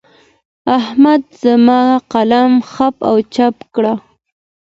احمد زما قلم خپ و چپ کړ.